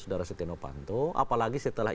saudara setia novanto apalagi setelah